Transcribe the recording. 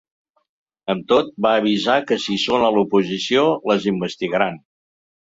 Amb tot, va avisar que si són a l’oposició les investigaran.